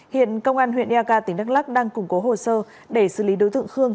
hiện công an huyện eak tỉnh đắk lắc đang củng cố hồ sơ để xử lý đối tượng khương